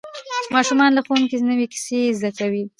ماشومان له ښوونکي نوې کیسې زده کوي